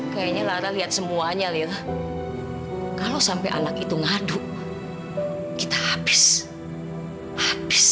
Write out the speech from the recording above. kayaknya lara lihat semuanya lela kalau sampai anak itu ngaduk kita habis habis